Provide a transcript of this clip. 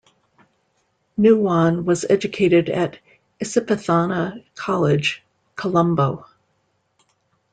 Nuwan was educated at Isipathana College, Colombo.